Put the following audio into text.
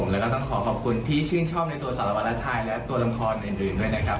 แล้วก็ต้องขอบคุณที่ชื่นชอบในตัวสารวรรษาธาตร์แหละตัวลำครอบรรทึงอื่นด้วยนะครับ